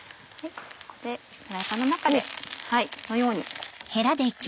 フライパンの中でこのように。